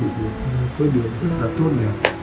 thì sẽ có điều rất là tốt đẹp